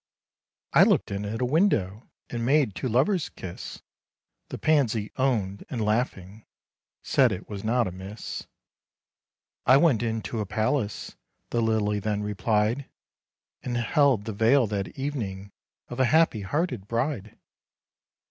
"I looked in at a window, And made two lovers kiss," The Pansy owned, and laughing Said it was not amiss. "I went into a palace," The Lily then replied, "And held the veil that evening Of a happy hearted bride."